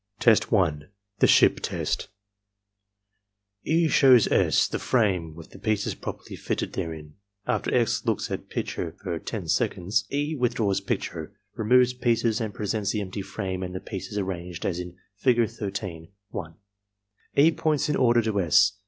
Test 1.— The Ship Test E. shows S. the frame with the pieces properly fitted therein. After S. looks at picture for 10 seconds, E. withdraws picture, removes pieces and presents the empty frame and the pieces arranged as in Fig. 13 (1). E. points in order to S.